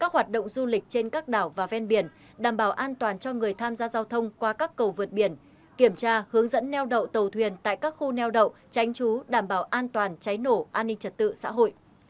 hoạt động du lịch trên các đảo và ven biển đảm bảo an toàn cho người tham gia giao thông qua các cầu vượt biển kiểm tra hướng dẫn neo đậu tàu thuyền tại các khu neo đậu tránh trú đảm bảo an toàn cháy nổ an ninh trật tự xã hội